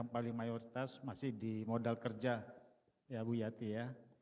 paling mayoritas masih di modal kerja ya bu yati ya